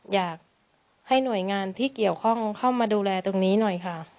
อยากให้หน่วยงานที่เกี่ยวข้องเข้ามาดูแลตรงนี้หน่อยค่ะ